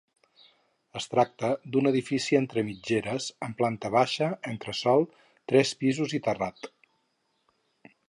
Es tracta d'un edifici entre mitgeres amb planta baixa, entresòl, tres pisos i terrat.